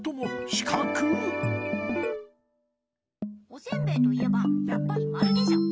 おせんべいといえばやっぱりまるでしょ。